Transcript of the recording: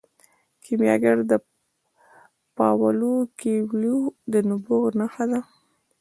کیمیاګر د پاولو کویلیو د نبوغ نښه ده.